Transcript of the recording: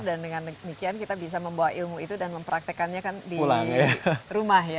dan dengan demikian kita bisa membawa ilmu itu dan mempraktekannya kan di rumah ya